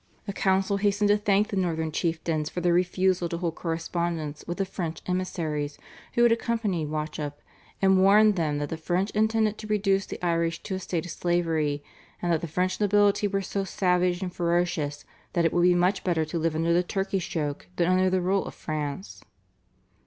The council hastened to thank the northern chieftains for their refusal to hold correspondence with the French emissaries, who had accompanied Wauchope, and warned them that the French intended to reduce the Irish to a state of slavery, and that the French nobility were so savage and ferocious that it would be much better to live under the Turkish yoke than under the rule of France.